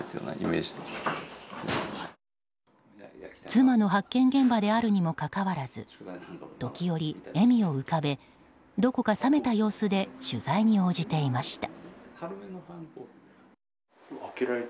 妻の発見現場であるにもかかわらず時折、笑みを浮かべどこか冷めた様子で取材に応じていました。